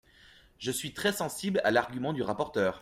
Je suis très sensible à l’argument du rapporteur.